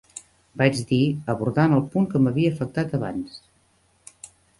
Vaig dir, abordant el punt que m'havia afectat abans.